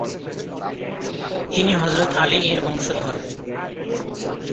তিনি হযরত আলী এঁর বংশধর।